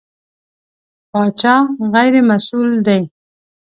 پاچا غېر مسوول دی.